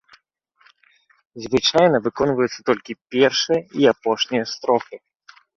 Звычайна выконваюцца толькі першая і апошняя строфы.